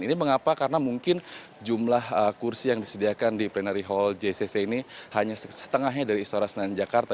ini mengapa karena mungkin jumlah kursi yang disediakan di plenary hall jcc ini hanya setengahnya dari istora senayan jakarta